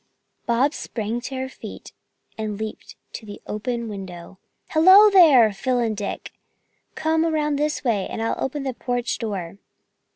Bobs sprang to her feet and leaped to the open window. "Hello there, Phyl and Dick! Come around this way and I'll open the porch door."